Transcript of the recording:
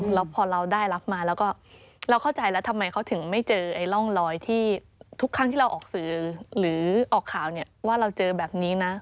แล้วพอเราได้รับมาแล้วก็เราเข้าใจแล้วทำไมเขาถึงไม่เจอร่องรอยที่ทุกครั้งที่เราออกสื่อหรือออกข่าวเนี่ยว่าเราเจอแบบนี้นะ